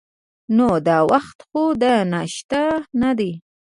نو دا وخت خو د ناشتا نه دی.